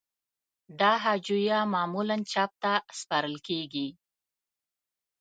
دا هجویه معمولاً چاپ ته سپارل کیږی.